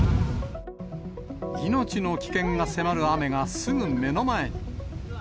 命の危険が迫る雨がすぐ目の前に。